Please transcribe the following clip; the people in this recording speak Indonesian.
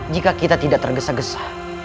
jika kita tidak tergesa gesa